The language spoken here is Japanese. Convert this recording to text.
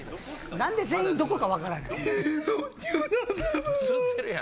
何で全員どこか分からない？